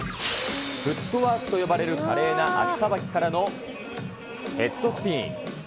フットワークと呼ばれる華麗な足さばきからのヘッドスピン。